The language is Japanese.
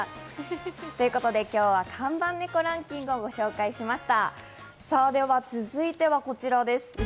ということで今日は看板猫ランキングをご紹介しました。